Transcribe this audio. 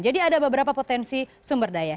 jadi ada beberapa potensi sumber daya